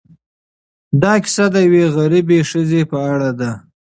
دا کيسه د یوې غریبې ښځې په اړه ده.